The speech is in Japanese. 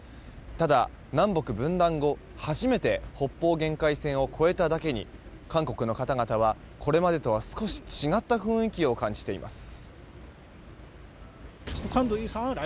ただ、南北分断後初めて北方限界線を越えただけに韓国の方々はこれまでとは少し違った雰囲気を感じています。